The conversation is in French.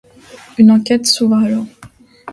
Une enquête s’ouvre alors.